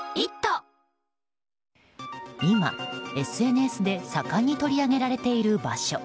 今、ＳＮＳで盛んに取り上げられている場所。